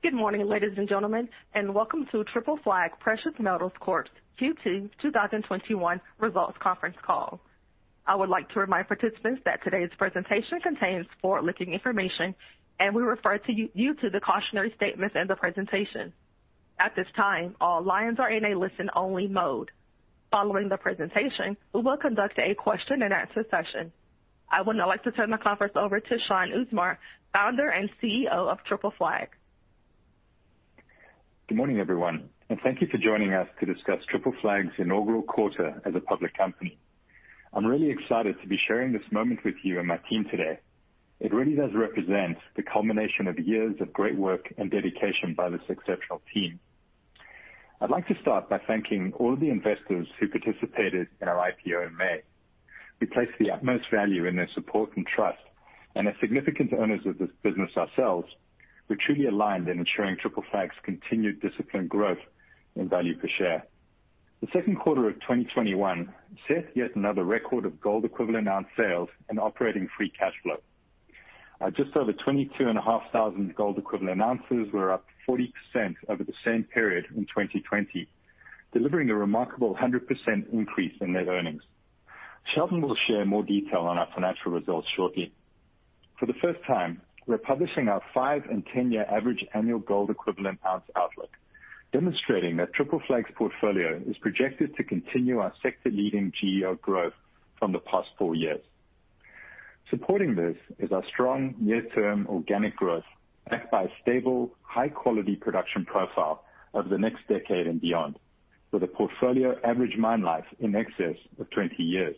Good morning, ladies and gentlemen, and welcome to Triple Flag Precious Metals Corp's Q2 2021 results conference call. I would like to remind participants that today's presentation contains forward-looking information, and we refer you to the cautionary statements in the presentation. At this time, all lines are in a listen-only mode. Following the presentation, we will conduct a question-and-answer session. I would now like to turn the conference over to Shaun Usmar, Founder and CEO of Triple Flag. Good morning, everyone, and thank you for joining us to discuss Triple Flag's inaugural quarter as a public company. I'm really excited to be sharing this moment with you and my team today. It really does represent the culmination of years of great work and dedication by this exceptional team. I'd like to start by thanking all of the investors who participated in our IPO in May. We place the utmost value in their support and trust, and as significant owners of this business ourselves, we're truly aligned in ensuring Triple Flag's continued disciplined growth in value per share. The second quarter of 2021 set yet another record of gold equivalent ounce sales and operating free cash flow. Just over 22,500 gold equivalent ounces, we're up 40% over the same period in 2020, delivering a remarkable 100% increase in net earnings. Sheldon will share more detail on our financial results shortly. For the first time, we're publishing our five and 10-year average annual gold equivalent ounce outlook, demonstrating that Triple Flag's portfolio is projected to continue our sector-leading GEO growth from the past four years. Supporting this is our strong near-term organic growth, backed by a stable, high-quality production profile over the next decade and beyond, with a portfolio average mine life in excess of 20 years.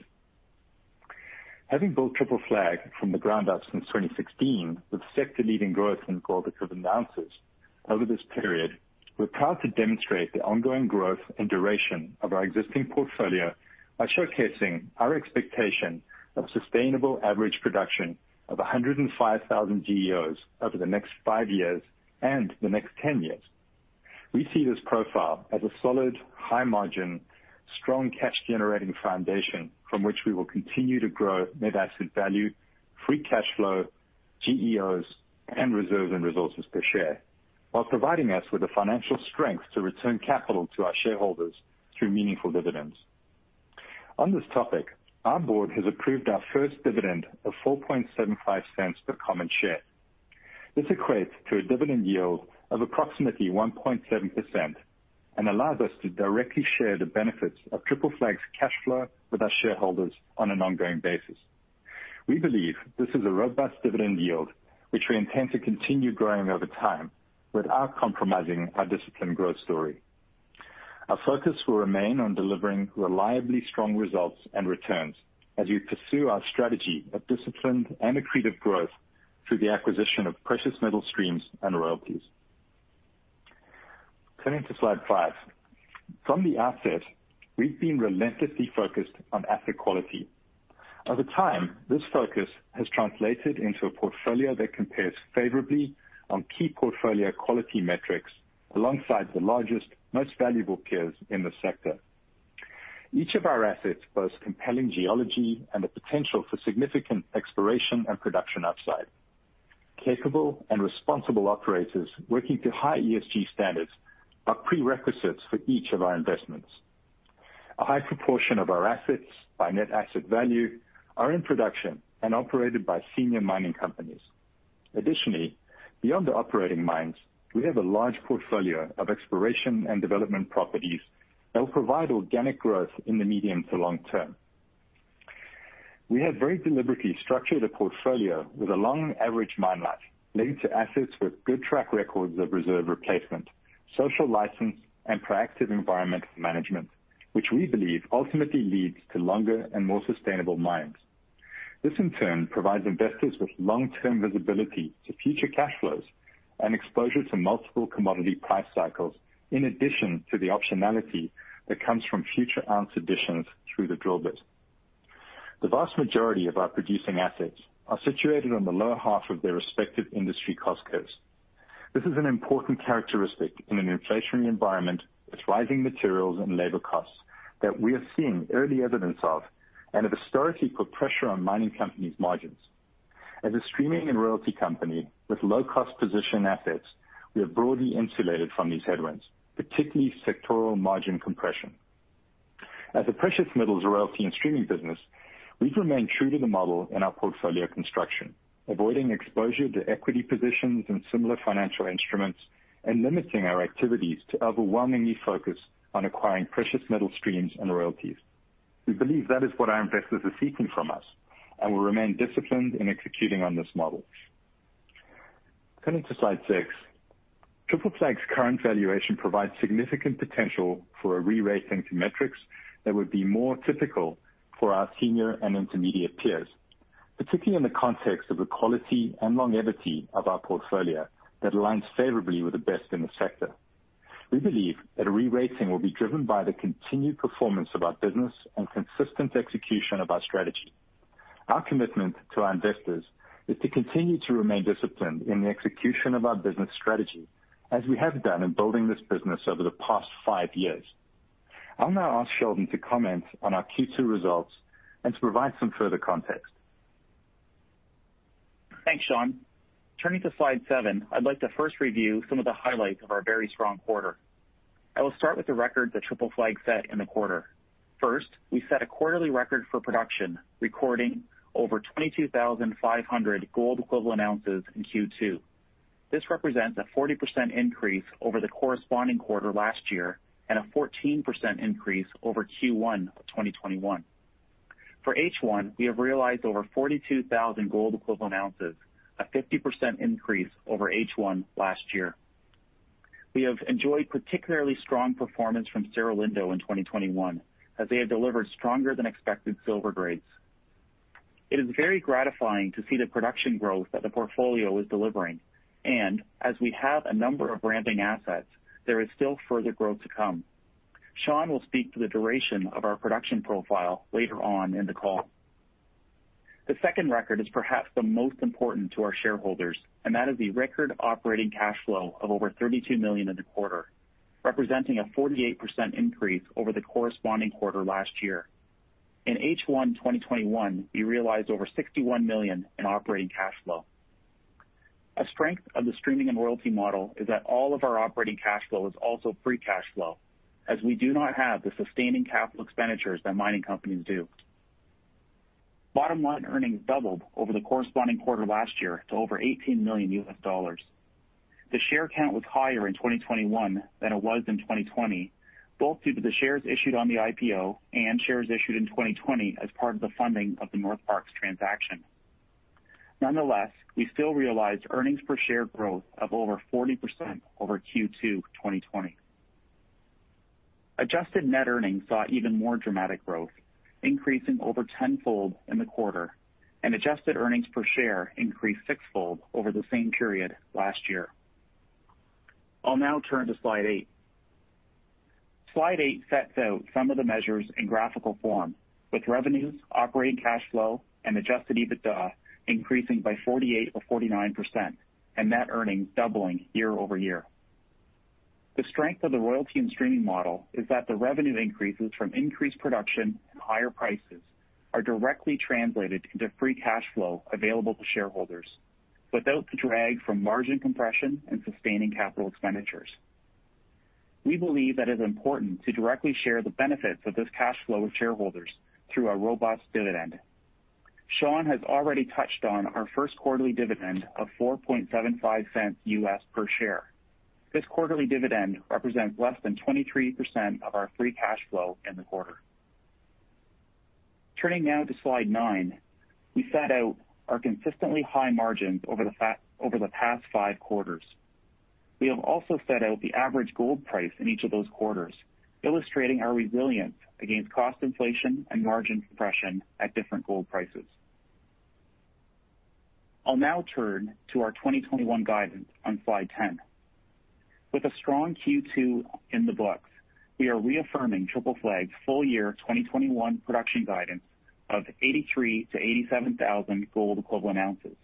Having built Triple Flag from the ground up since 2016 with sector-leading growth in gold equivalent ounces over this period, we're proud to demonstrate the ongoing growth and duration of our existing portfolio by showcasing our expectation of sustainable average production of 105,000 GEOs over the next five years and the next 10 years. We see this profile as a solid, high-margin, strong cash-generating foundation from which we will continue to grow net asset value, free cash flow, GEOs, and reserves and resources per share, while providing us with the financial strength to return capital to our shareholders through meaningful dividends. On this topic, our board has approved our first dividend of $0.0475 per common share. This equates to a dividend yield of approximately 1.7% and allows us to directly share the benefits of Triple Flag's cash flow with our shareholders on an ongoing basis. We believe this is a robust dividend yield, which we intend to continue growing over time without compromising our disciplined growth story. Our focus will remain on delivering reliably strong results and returns as we pursue our strategy of disciplined and accretive growth through the acquisition of precious metal streams and royalties. Turning to slide five. From the outset, we've been relentlessly focused on asset quality. Over time, this focus has translated into a portfolio that compares favorably on key portfolio quality metrics alongside the largest, most valuable peers in the sector. Each of our assets boasts compelling geology and the potential for significant exploration and production upside. Capable and responsible operators working to high ESG standards are prerequisites for each of our investments. A high proportion of our assets by net asset value are in production and operated by senior mining companies. Additionally, beyond the operating mines, we have a large portfolio of exploration and development properties that will provide organic growth in the medium to long term. We have very deliberately structured a portfolio with a long average mine life, leading to assets with good track records of reserve replacement, social license, and proactive environmental management, which we believe ultimately leads to longer and more sustainable mines. This, in turn, provides investors with long-term visibility to future cash flows and exposure to multiple commodity price cycles, in addition to the optionality that comes from future ounce additions through the drill bit. The vast majority of our producing assets are situated on the lower half of their respective industry cost curves. This is an important characteristic in an inflationary environment with rising materials and labor costs that we are seeing early evidence of and have historically put pressure on mining companies' margins. As a streaming and royalty company with low-cost position assets, we are broadly insulated from these headwinds, particularly sectoral margin compression. As a precious metals royalty and streaming business, we've remained true to the model in our portfolio construction, avoiding exposure to equity positions and similar financial instruments and limiting our activities to overwhelmingly focus on acquiring precious metal streams and royalties. We believe that is what our investors are seeking from us and will remain disciplined in executing on this model. Turning to slide six. Triple Flag's current valuation provides significant potential for a re-rating to metrics that would be more typical for our senior and intermediate peers, particularly in the context of the quality and longevity of our portfolio that aligns favorably with the best in the sector. We believe that a re-rating will be driven by the continued performance of our business and consistent execution of our strategy. Our commitment to our investors is to continue to remain disciplined in the execution of our business strategy as we have done in building this business over the past five years. I'll now ask Sheldon to comment on our Q2 results and to provide some further context. Thanks, Shaun. Turning to slide seven, I'd like to first review some of the highlights of our very strong quarter. I will start with the record that Triple Flag set in the quarter. First, we set a quarterly record for production, recording over 22,500 gold equivalent ounces in Q2. This represents a 40% increase over the corresponding quarter last year and a 14% increase over Q1 of 2021. For H1, we have realized over 42,000 gold equivalent ounces, a 50% increase over H1 last year. We have enjoyed particularly strong performance from Cerro Lindo in 2021, as they have delivered stronger than expected silver grades. It is very gratifying to see the production growth that the portfolio is delivering. As we have a number of ramping assets, there is still further growth to come. Shaun will speak to the duration of our production profile later on in the call. The second record is perhaps the most important to our shareholders, that is the record operating cash flow of over $32 million in the quarter, representing a 48% increase over the corresponding quarter last year. In H1 2021, we realized over $61 million in operating cash flow. A strength of the streaming and royalty model is that all of our operating cash flow is also free cash flow, as we do not have the sustaining capital expenditures that mining companies do. Bottom line earnings doubled over the corresponding quarter last year to over $18 million. The share count was higher in 2021 than it was in 2020, both due to the shares issued on the IPO and shares issued in 2020 as part of the funding of the Northparkes transaction. Nonetheless, we still realized earnings per share growth of over 40% over Q2 2020. Adjusted net earnings saw even more dramatic growth, increasing over 10-fold in the quarter, and adjusted earnings per share increased six-fold over the same period last year. I'll now turn to slide eight. Slide eight sets out some of the measures in graphical form, with revenues, operating cash flow, and adjusted EBITDA increasing by 48% or 49%, and net earnings doubling year-over-year. The strength of the royalty and streaming model is that the revenue increases from increased production and higher prices are directly translated into free cash flow available to shareholders, without the drag from margin compression and sustaining capital expenditures. We believe that it is important to directly share the benefits of this cash flow with shareholders through a robust dividend. Shaun has already touched on our first quarterly dividend of $4.75 per share. This quarterly dividend represents less than 23% of our free cash flow in the quarter. Turning now to slide nine, we set out our consistently high margins over the past five quarters. We have also set out the average gold price in each of those quarters, illustrating our resilience against cost inflation and margin compression at different gold prices. I'll now turn to our 2021 guidance on slide 10. With a strong Q2 in the books, we are reaffirming Triple Flag's full year 2021 production guidance of 83,000-87,000 gold equivalent ounces.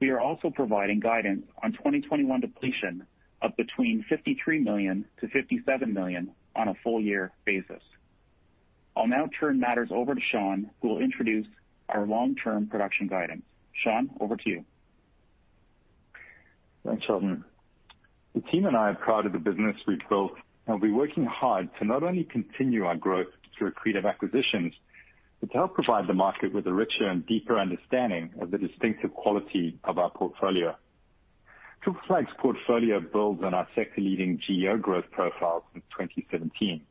We are also providing guidance on 2021 depletion of between $53 million-$57 million on a full year basis. I'll now turn matters over to Shaun, who will introduce our long-term production guidance. Shaun, over to you. Thanks, Sheldon. The team and I are proud of the business we've built, and we're working hard to not only continue our growth through accretive acquisitions, but to help provide the market with a richer and deeper understanding of the distinctive quality of our portfolio. Triple Flag's portfolio builds on our sector-leading GEO growth profile since 2017,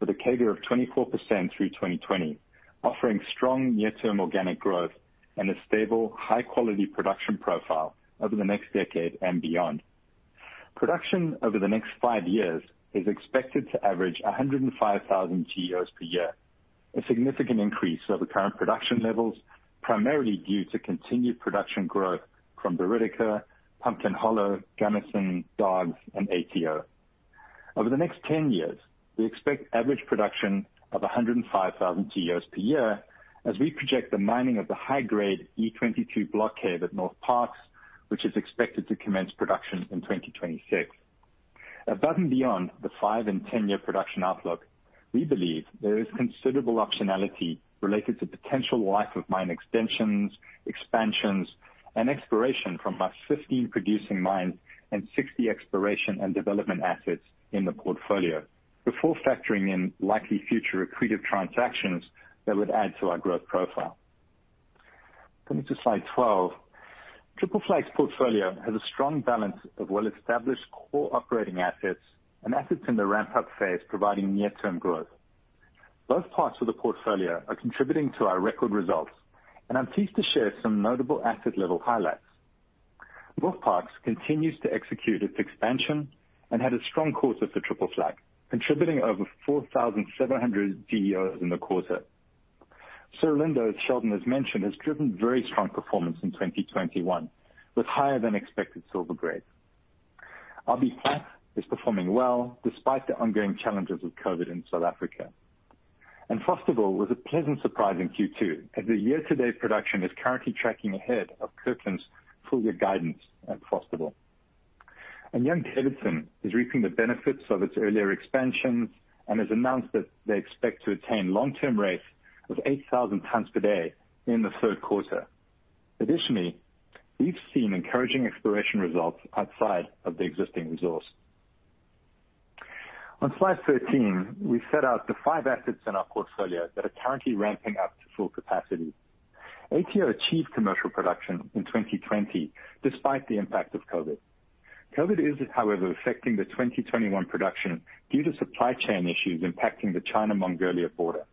with a CAGR of 24% through 2020, offering strong near-term organic growth and a stable, high-quality production profile over the next decade and beyond. Production over the next five years is expected to average 105,000 GEOs per year, a significant increase over current production levels, primarily due to continued production growth from Buriticá, Pumpkin Hollow, Gunnison, Dargues and ATO. Over the next 10 years, we expect average production of 105,000 GEOs per year as we project the mining of the high-grade E22 block cave at Northparkes, which is expected to commence production in 2026. Above and beyond the five and 10-year production outlook, we believe there is considerable optionality related to potential life of mine extensions, expansions, and exploration from our 15 producing mines and 60 exploration and development assets in the portfolio, before factoring in likely future accretive transactions that would add to our growth profile. Coming to slide 12, Triple Flag's portfolio has a strong balance of well-established core operating assets and assets in the ramp-up phase, providing near-term growth. Both parts of the portfolio are contributing to our record results, and I'm pleased to share some notable asset level highlights. Northparkes continues to execute its expansion and had a strong quarter for Triple Flag, contributing over 4,700 GEOs in the quarter. Cerro Lindo, as Sheldon has mentioned, has driven very strong performance in 2021 with higher than expected silver grades. RBPlat is performing well despite the ongoing challenges of COVID in South Africa. Fosterville was a pleasant surprise in Q2, as the year-to-date production is currently tracking ahead of Kirkland's full-year guidance at Fosterville. Young-Davidson is reaping the benefits of its earlier expansions and has announced that they expect to attain long-term rates of 8,000 tons per day in the third quarter. Additionally, we've seen encouraging exploration results outside of the existing resource. On slide 13, we set out the five assets in our portfolio that are currently ramping up to full capacity. ATO achieved commercial production in 2020 despite the impact of COVID. COVID is, however, affecting the 2021 production due to supply chain issues impacting the China-Mongolia border.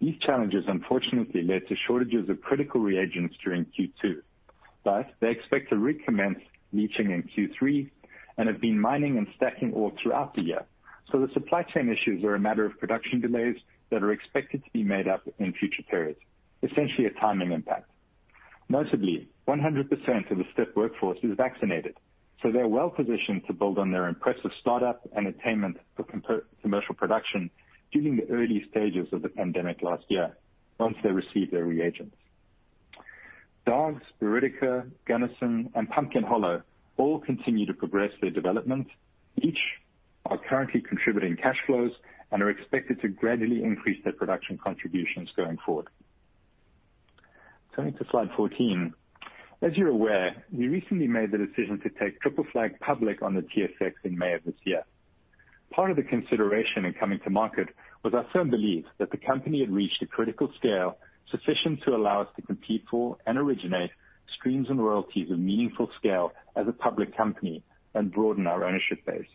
These challenges, unfortunately, led to shortages of critical reagents during Q2. They expect to recommence leaching in Q3 and have been mining and stacking ore throughout the year. The supply chain issues are a matter of production delays that are expected to be made up in future periods, essentially a timing impact. Notably, 100% of the Steppe workforce is vaccinated, they're well-positioned to build on their impressive startup and attainment for commercial production during the early stages of the pandemic last year once they receive their reagents. Dargues, Buriticá, Gunnison, and Pumpkin Hollow all continue to progress their development. Each are currently contributing cash flows and are expected to gradually increase their production contributions going forward. Turning to slide 14. As you're aware, we recently made the decision to take Triple Flag public on the TSX in May of this year. Part of the consideration in coming to market was our firm belief that the company had reached a critical scale sufficient to allow us to compete for and originate streams and royalties of meaningful scale as a public company and broaden our ownership base.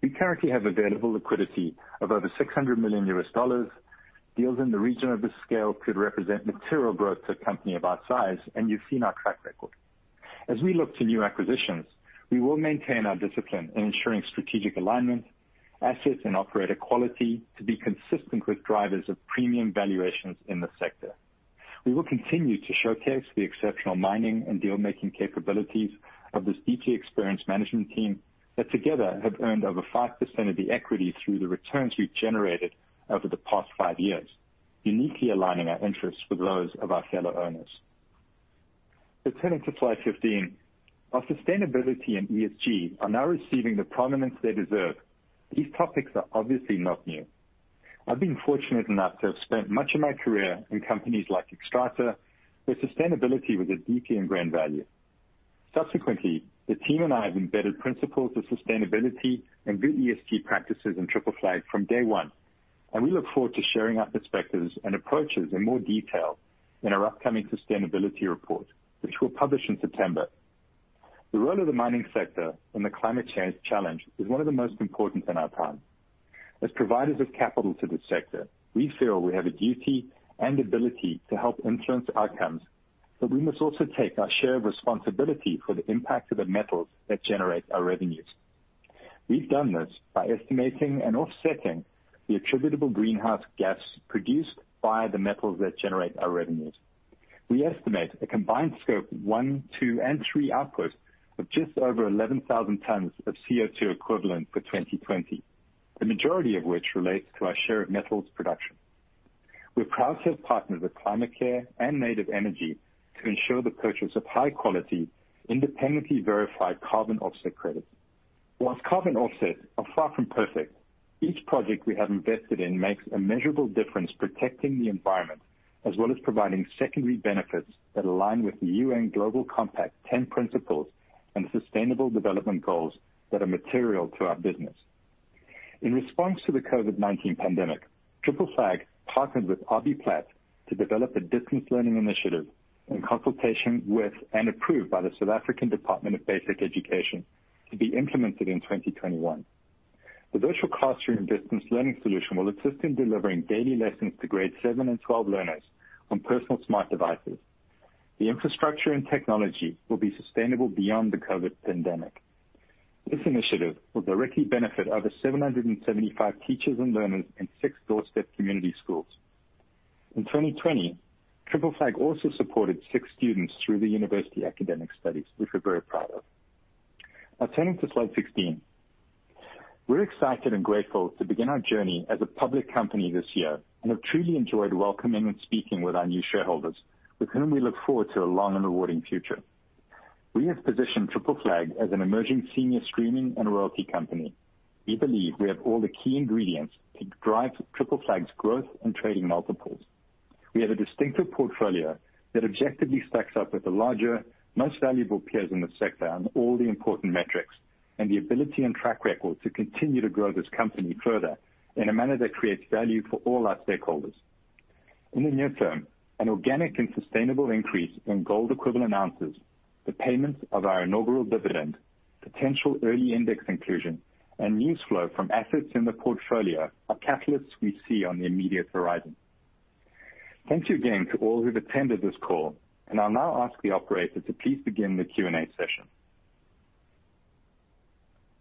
We currently have available liquidity of over $600 million. Deals in the region of this scale could represent material growth to a company of our size, and you've seen our track record. As we look to new acquisitions, we will maintain our discipline in ensuring strategic alignment, assets, and operator quality to be consistent with drivers of premium valuations in the sector. We will continue to showcase the exceptional mining and deal-making capabilities of this deeply experienced management team that together have earned over 5% of the equity through the returns we've generated over the past five years, uniquely aligning our interests with those of our fellow owners. Turning to slide 15. While sustainability and ESG are now receiving the prominence they deserve, these topics are obviously not new. I've been fortunate enough to have spent much of my career in companies like Xstrata, where sustainability was a deeply ingrained value. Subsequently, the team and I have embedded principles of sustainability and good ESG practices in Triple Flag from day one, and we look forward to sharing our perspectives and approaches in more detail in our upcoming sustainability report, which we'll publish in September. The role of the mining sector in the climate change challenge is one of the most important in our time. As providers of capital to the sector, we feel we have a duty and ability to help influence outcomes, but we must also take our share of responsibility for the impact of the metals that generate our revenues. We've done this by estimating and offsetting the attributable greenhouse gas produced by the metals that generate our revenues. We estimate a combined Scope 1, 2, and 3 output of just over 11,000 tons of CO2 equivalent for 2020, the majority of which relates to our share of metals production. We're proud to have partnered with ClimateCare and NativeEnergy to ensure the purchase of high-quality, independently verified carbon offset credits. Whilst carbon offsets are far from perfect, each project we have invested in makes a measurable difference protecting the environment, as well as providing secondary benefits that align with the UN Global Compact 10 Principles and Sustainable Development Goals that are material to our business. In response to the COVID-19 pandemic, Triple Flag partnered with RBPlat to develop a distance learning initiative in consultation with and approved by the South African Department of Basic Education to be implemented in 2021. The virtual classroom distance learning solution will assist in delivering daily lessons to grade seven and 12 learners on personal smart devices. The infrastructure and technology will be sustainable beyond the COVID pandemic. This initiative will directly benefit over 775 teachers and learners in six Doorstep community schools. In 2020, Triple Flag also supported six students through their university academic studies, which we're very proud of. Now turning to slide 16. We're excited and grateful to begin our journey as a public company this year and have truly enjoyed welcoming and speaking with our new shareholders, with whom we look forward to a long and rewarding future. We have positioned Triple Flag as an emerging senior streaming and royalty company. We believe we have all the key ingredients to drive Triple Flag's growth and trading multiples. We have a distinctive portfolio that objectively stacks up with the larger, most valuable peers in the sector on all the important metrics, and the ability and track record to continue to grow this company further in a manner that creates value for all our stakeholders. In the near term, an organic and sustainable increase in gold equivalent ounces, the payments of our inaugural dividend, potential early index inclusion, and news flow from assets in the portfolio are catalysts we see on the immediate horizon. Thanks again to all who've attended this call, and I'll now ask the operator to please begin the Q&A session.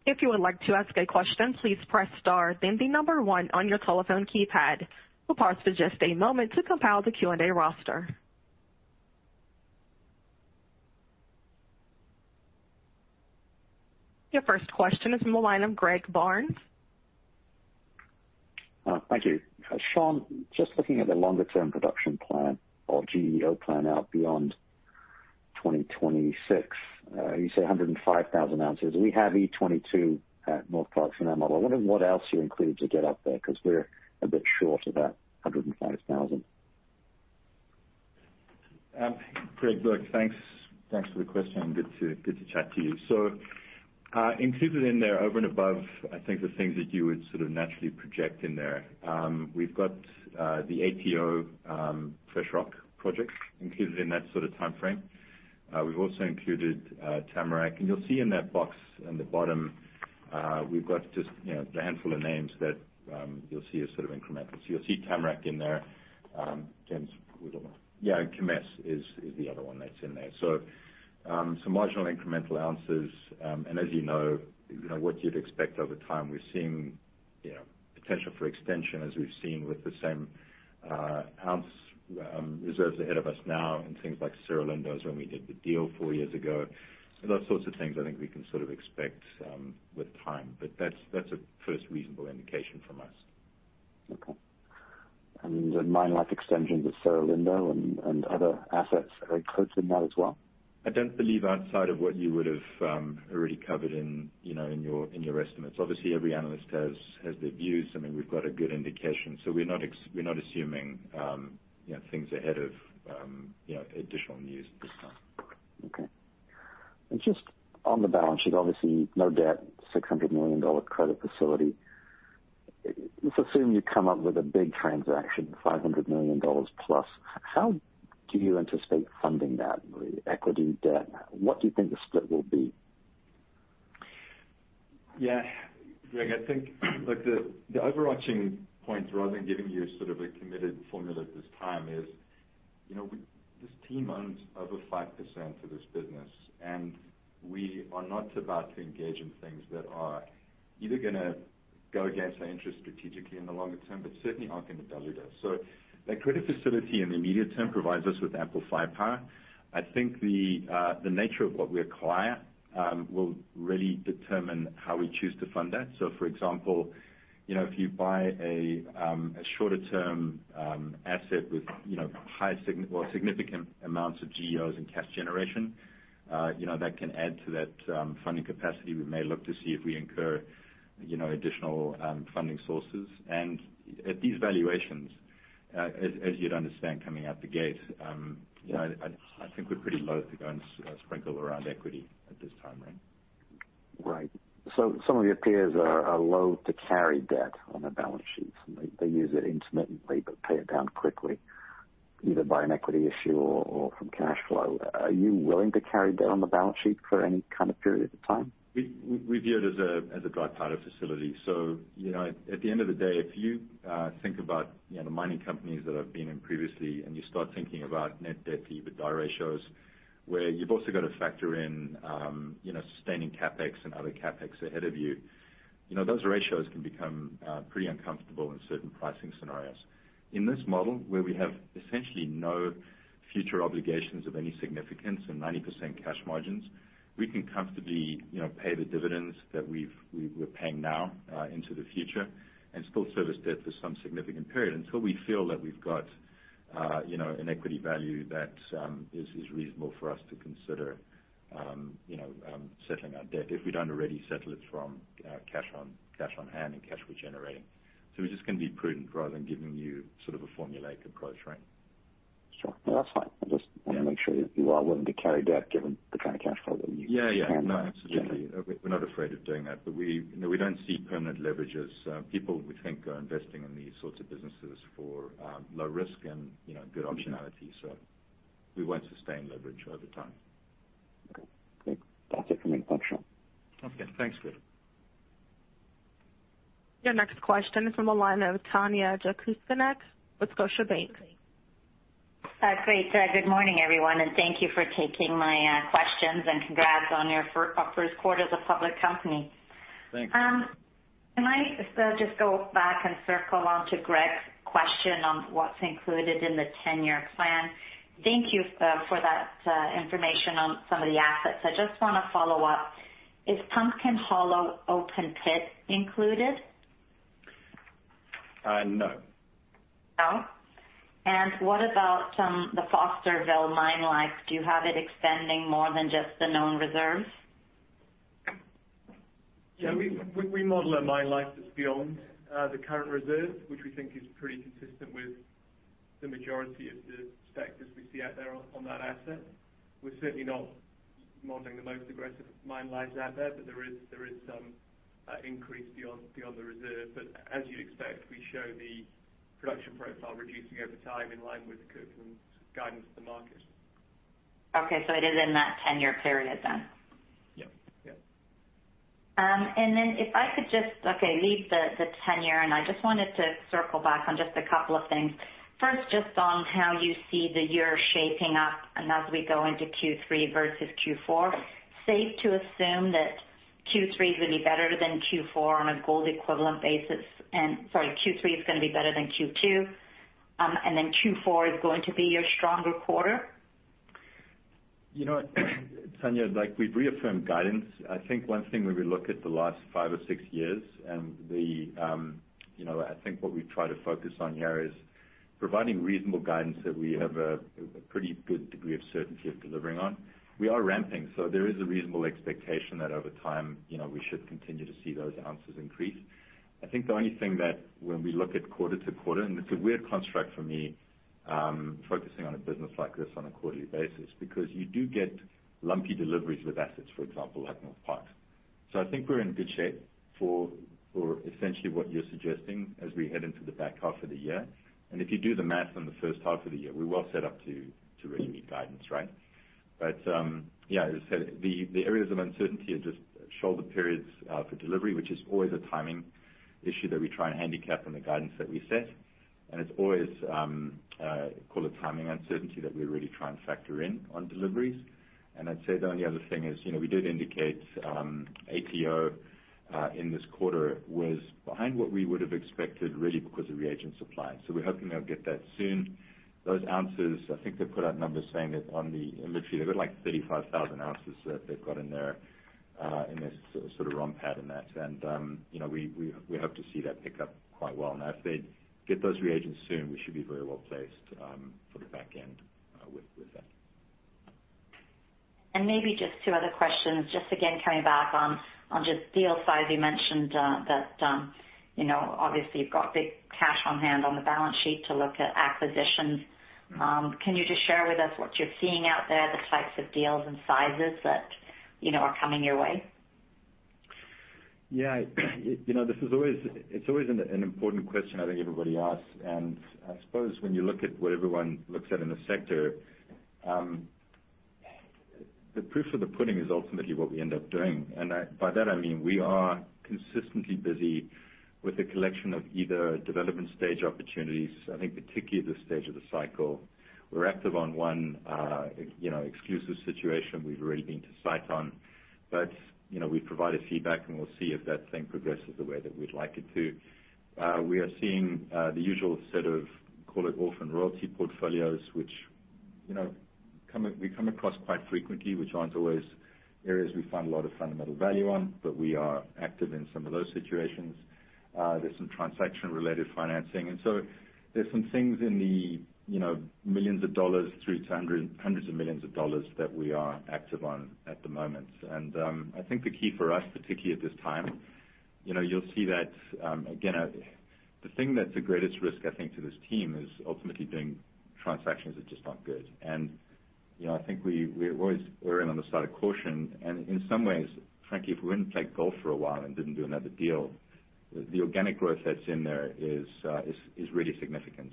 If you would like to ask a question please press star then number one on your telephone keypad. We'll pause for just a moment to compile the Q&A roster. Your first question is from the line of Greg Barnes. Thank you. Shaun, just looking at the longer-term production plan or GEO plan out beyond 2026. You say 105,000 oz. We have E22 at Northparkes in our model. I'm wondering what else you included to get up there, because we're a bit short of that 105,000 oz. Greg Barnes, thanks for the question. Good to chat to you. Included in there, over and above, I think the things that you would sort of naturally project in there. We've got the ATO fresh rock project included in that sort of timeframe. We've also included Tamarack. You'll see in that box in the bottom, we've got just a handful of names that you'll see are sort of incremental. You'll see Tamarack in there. James, yeah, Kemess is the other one that's in there. Some marginal incremental ounces. As you know, what you'd expect over time, we're seeing potential for extension as we've seen with the same ounce reserves ahead of us now and things like Cerro Lindo when we did the deal four years ago. Those sorts of things I think we can sort of expect with time. That's a first reasonable indication from us. Okay. The mine life extensions at Cerro Lindo and other assets are included in that as well? I don't believe outside of what you would have already covered in your estimates. Obviously, every analyst has their views. I mean, we've got a good indication. We're not assuming things ahead of additional news at this time. Okay. Just on the balance sheet, obviously, no debt, $600 million credit facility. Let's assume you come up with a big transaction, $500 million+. How do you anticipate funding that? Equity, debt? What do you think the split will be? Yeah. Greg, I think, look, the overarching point rather than giving you a sort of a committed formula at this time is this team owns over 5% of this business, and we are not about to engage in things that are either gonna go against our interests strategically in the longer term, but certainly aren't going to dilute us. That credit facility in the immediate term provides us with ample firepower. I think the nature of what we acquire will really determine how we choose to fund that. For example, if you buy a shorter-term asset with significant amounts of GEOs and cash generation that can add to that funding capacity, we may look to see if we incur additional funding sources. At these valuations, as you'd understand coming out the gate, I think we're pretty loathe to go and sprinkle around equity at this time, Greg. Right. Some of your peers are loathe to carry debt on their balance sheets. They use it intermittently but pay it down quickly, either by an equity issue or from cash flow. Are you willing to carry debt on the balance sheet for any kind of period of time? We view it as a dry powder facility. At the end of the day, if you think about the mining companies that I've been in previously, and you start thinking about net debt, EBITDA ratios, where you've also got to factor in sustaining CapEx and other CapEx ahead of you. Those ratios can become pretty uncomfortable in certain pricing scenarios. In this model, where we have essentially no future obligations of any significance and 90% cash margins, we can comfortably pay the dividends that we're paying now into the future and still service debt for some significant period until we feel that we've got an equity value that is reasonable for us to consider settling our debt, if we don't already settle it from cash on hand and cash we're generating. We're just going to be prudent rather than giving you sort of a formulaic approach, Greg. Sure. No, that's fine. I just want to make sure you are willing to carry debt given the kind of cash flow that you can generate. Yeah. No, absolutely. We're not afraid of doing that. We don't see permanent leverage as people we think are investing in these sorts of businesses for low risk and good optionality. We won't sustain leverage over time. Okay, great. That's it from me. Thanks, Shaun. Okay, thanks Greg. Your next question is from the line of Tanya Jakusconek with Scotiabank. Great. Good morning, everyone, thank you for taking my questions and congrats on your first quarter as a public company. Thanks. Can I just go back and circle on to Greg's question on what's included in the 10-year plan? Thank you for that information on some of the assets. I just want to follow up. Is Pumpkin Hollow open pit included? No. No? What about the Fosterville mine life? Do you have it extending more than just the known reserves? Yeah, we model a mine life that's beyond the current reserve, which we think is pretty consistent with the majority of the sectors we see out there on that asset. We're certainly not modeling the most aggressive mine lives out there, but there is some increase beyond the reserve. As you'd expect, we show the production profile reducing over time in line with the Kirkland guidance to the market. Okay. It is in that 10-year period then? Yep. If I could just, okay, leave the tenure, and I just wanted to circle back on just a couple of things. First, just on how you see the year shaping up and as we go into Q3 versus Q4. Safe to assume that Q3 is going to be better than Q4 on a gold equivalent basis, sorry, Q3 is going to be better than Q2, and then Q4 is going to be your stronger quarter? Tanya, we've reaffirmed guidance. I think one thing when we look at the last five or six years, and I think what we try to focus on here is providing reasonable guidance that we have a pretty good degree of certainty of delivering on. We are ramping, so there is a reasonable expectation that over time, we should continue to see those ounces increase. I think the only thing that when we look at quarter-to-quarter, and it's a weird construct for me, focusing on a business like this on a quarterly basis, because you do get lumpy deliveries with assets, for example, like Northparkes. I think we're in good shape for essentially what you're suggesting as we head into the back half of the year. If you do the math on the first half of the year, we're well set up to really meet guidance, right? Yeah, as I said, the areas of uncertainty are just shoulder periods for delivery, which is always a timing issue that we try and handicap on the guidance that we set. It's always call it timing uncertainty that we really try and factor in on deliveries. I'd say the only other thing is, we did indicate ATO in this quarter was behind what we would have expected, really because of reagent supply. We're hoping they'll get that soon. Those ounces, I think they put out numbers saying that on the inventory, they've got like 35,000 oz that they've got in their sort of run pad in that. We hope to see that pick up quite well now. If they get those reagents soon, we should be very well placed for the back end with that. Maybe just two other questions, just again coming back on just deal size. You mentioned that obviously you've got big cash on hand on the balance sheet to look at acquisitions. Can you just share with us what you're seeing out there, the types of deals and sizes that are coming your way? Yeah. It's always an important question I think everybody asks. I suppose when you look at what everyone looks at in the sector, the proof of the pudding is ultimately what we end up doing. By that I mean we are consistently busy with the collection of either development stage opportunities, I think particularly at this stage of the cycle. We're active on one exclusive situation we've already been to site on. We've provided feedback, and we'll see if that thing progresses the way that we'd like it to. We are seeing the usual set of, call it orphan royalty portfolios, which we come across quite frequently, which aren't always areas we find a lot of fundamental value on, but we are active in some of those situations. There's some transaction-related financing, there's some things in the millions of dollars through to hundreds of millions of dollars that we are active on at the moment. I think the key for us, particularly at this time, you'll see that again, the thing that's the greatest risk, I think, to this team is ultimately doing transactions that are just not good. I think we're always erring on the side of caution, and in some ways, frankly, if we wouldn't play golf for a while and didn't do another deal, the organic growth that's in there is really significant.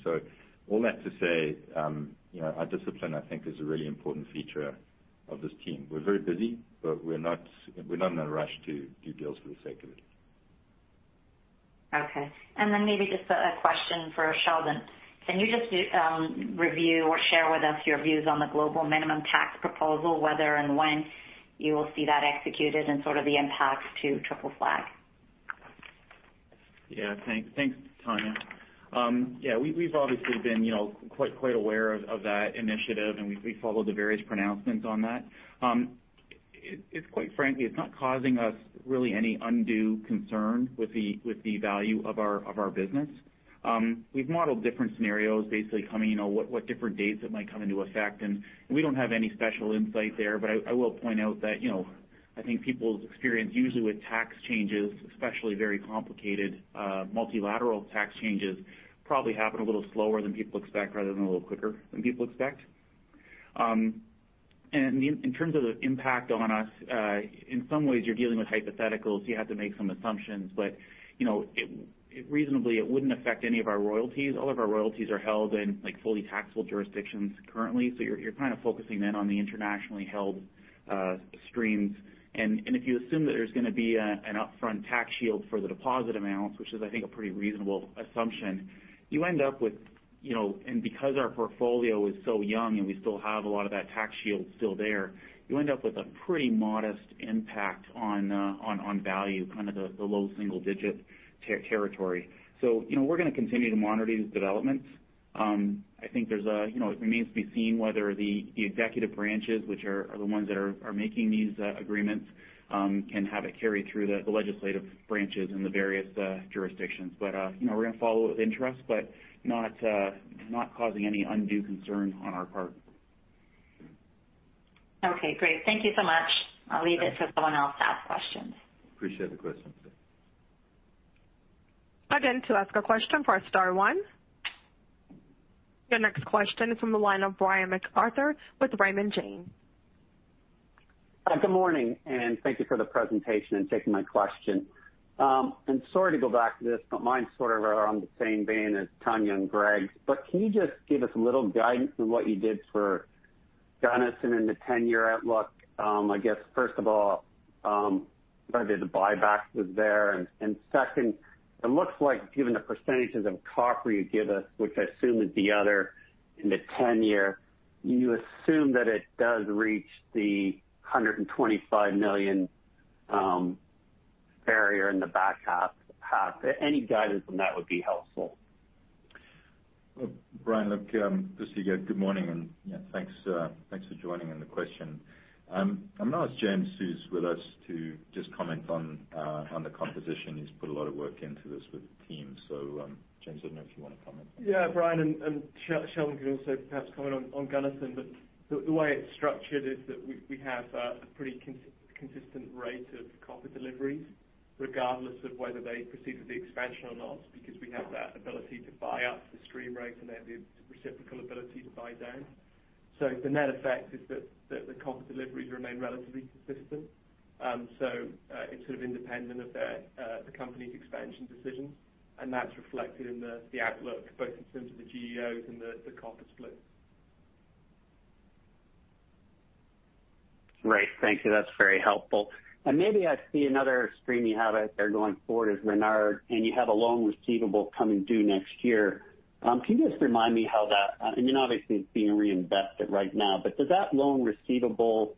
All that to say, our discipline, I think, is a really important feature of this team. We're very busy, but we're not in a rush to do deals for the sake of it. Okay, maybe just a question for Sheldon. Can you just review or share with us your views on the global minimum tax proposal, whether and when you will see that executed and sort of the impact to Triple Flag? Yeah. Thanks, Tanya. We've obviously been quite aware of that initiative, and we follow the various pronouncements on that. Quite frankly, it's not causing us really any undue concern with the value of our business. We've modeled different scenarios, basically coming, what different dates it might come into effect, and we don't have any special insight there. I will point out that, I think people's experience usually with tax changes, especially very complicated multilateral tax changes, probably happen a little slower than people expect rather than a little quicker than people expect. In terms of the impact on us, in some ways you're dealing with hypotheticals. You have to make some assumptions, but reasonably, it wouldn't affect any of our royalties. All of our royalties are held in fully taxable jurisdictions currently, so you're kind of focusing then on the internationally held streams. If you assume that there's going to be an upfront tax shield for the deposit amounts, which is, I think, a pretty reasonable assumption, and because our portfolio is so young and we still have a lot of that tax shield still there, you end up with a pretty modest impact on value, kind of the low single-digit territory. We're going to continue to monitor these developments. I think it remains to be seen whether the executive branches, which are the ones that are making these agreements, can have it carry through the legislative branches in the various jurisdictions. We're going to follow with interest, but not causing any undue concern on our part. Okay, great. Thank you so much. I will leave it to someone else to ask questions. Appreciate the questions. Again, to ask a question, press star one. Your next question is from the line of Brian MacArthur with Raymond James. Good morning, and thank you for the presentation and taking my question. Sorry to go back to this, but mine's sort of around the same vein as Tanya and Greg. Can you just give us a little guidance on what you did for Gunnison in the 10-year outlook? I guess, first of all, whether the buyback was there. Second, it looks like given the percentages of copper you give us, which I assume is the other in the 10-year, you assume that it does reach the 125 million-barrier in the back half. Any guidance on that would be helpful. Well, Brian, look, just to get good morning and thanks for joining in the question. I'm going to ask James, who's with us, to just comment on the composition. He's put a lot of work into this with the team. James, I don't know if you want to comment. Yeah, Brian, and Sheldon can also perhaps comment on Gunnison. The way it's structured is that we have a pretty consistent rate of copper deliveries regardless of whether they proceed with the expansion or not, because we have that ability to buy up the stream rate and then the reciprocal ability to buy down. The net effect is that the copper deliveries remain relatively consistent. It's sort of independent of the company's expansion decisions, and that's reflected in the outlook, both in terms of the GEOs and the copper split. Great. Thank you. That's very helpful. Maybe I see another stream you have out there going forward is Renard, and you have a loan receivable coming due next year. Can you just remind me, and obviously it's being reinvested right now, but does that loan receivable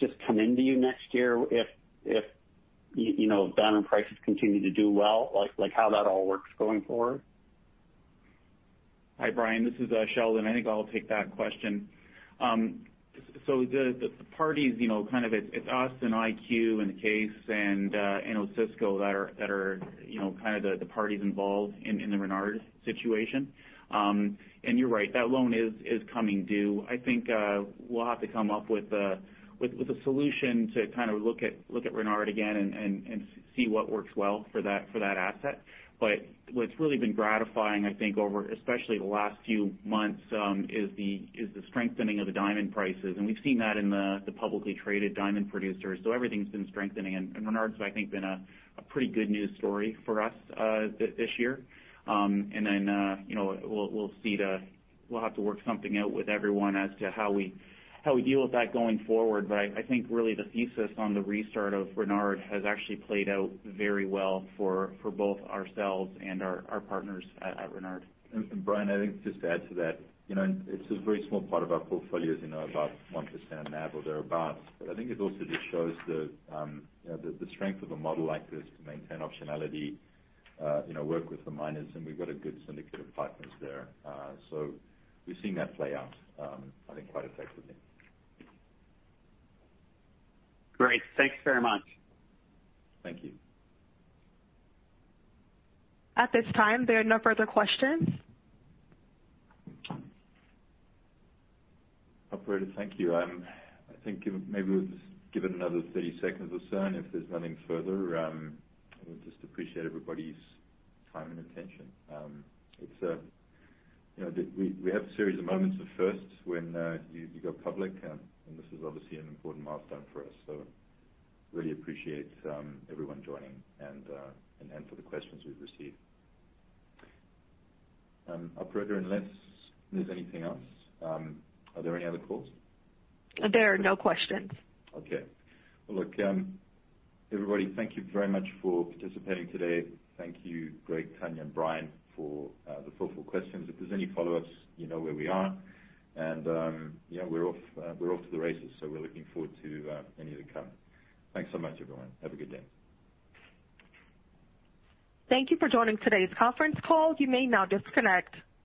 just come into you next year if diamond prices continue to do well? Like how that all works going forward? Hi, Brian. This is Sheldon. I think I'll take that question. The parties, it's us and IQ and the Caisse and Osisko that are kind of the parties involved in the Renard situation. You're right, that loan is coming due. I think we'll have to come up with a solution to look at Renard again and see what works well for that asset. What's really been gratifying, I think, over especially the last few months, is the strengthening of the diamond prices. We've seen that in the publicly traded diamond producers. Everything's been strengthening, and Renard's, I think, been a pretty good news story for us this year. We'll have to work something out with everyone as to how we deal with that going forward. I think really the thesis on the restart of Renard has actually played out very well for both ourselves and our partners at Renard. Brian, I think just to add to that, it's a very small part of our portfolio, about 1% NAV or thereabouts. I think it also just shows the strength of a model like this to maintain optionality, work with the miners, and we've got a good syndicate of partners there. We've seen that play out, I think, quite effectively. Great. Thanks very much. Thank you. At this time, there are no further questions. Operator, thank you. I think maybe we'll just give it another 30 seconds or so, and if there's nothing further, we just appreciate everybody's time and attention. We have a series of moments of firsts when you go public, and this is obviously an important milestone for us, so really appreciate everyone joining and for the questions we've received. Operator, unless there's anything else, are there any other calls? There are no questions. Okay. Well, look, everybody, thank you very much for participating today. Thank you, Greg, Tanya, and Brian for the thoughtful questions. If there's any follow-ups, you know where we are, and we're off to the races. We're looking forward to any of the coming. Thanks so much, everyone. Have a good day. Thank you for joining today's conference call. You may now disconnect.